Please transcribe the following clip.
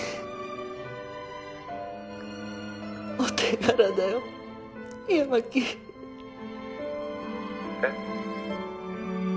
お手柄だよ八巻えっ？